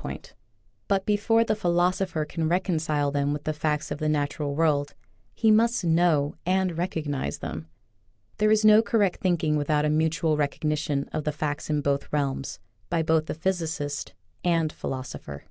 55 point, but before the philosopher can recon cile them with the facts of the natural world he must know and recognize them. There is no correct thinking without a mutual recog nition of the facts in both realms, by both the physicist and philosopher.